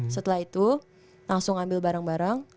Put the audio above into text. setelah itu langsung ambil barang barang